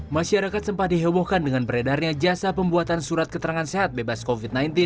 masyarakat sempat dihebohkan dengan beredarnya jasa pembuatan surat keterangan sehat bebas covid sembilan belas